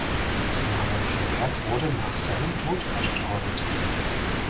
Das malerische Werk wurde nach seinem Tod verstreut.